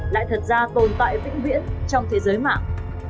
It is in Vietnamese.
lại thật ra tồn tại vĩnh viễn trong thế giới mạng